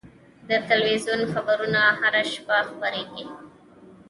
د تلویزیون خبرونه هره شپه خپرېږي.